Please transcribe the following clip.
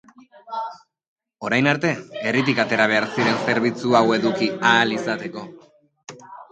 Orain arte, herritik atera behar ziren zerbitzu hau eduki ahal izateko.